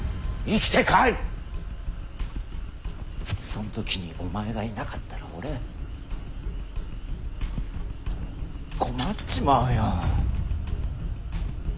そん時にお前がいなかったら俺困っちまうよ。